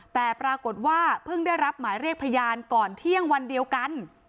แต่ปรากฏว่าเพิ่งได้รับหมายเรียกพยานก่อนเที่ยงวันเดียวกัน